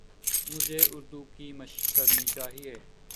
مجھے اردو کی مَشق کرنی چاہیے